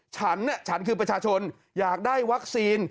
ฉันฉันคือประชาชนอยากได้วัคซีน